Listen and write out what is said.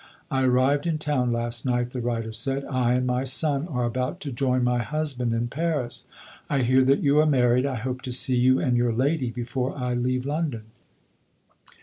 " I arrived in town last nijjht," the writer said ;" I and my son are about to join my husband in Paris. I hear that you are married ; I hope to see you and your lady before 1 leave London.